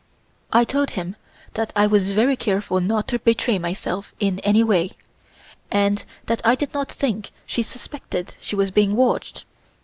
I told him that I was very careful not to betray myself in any way and that I did not think she suspected she was being watched.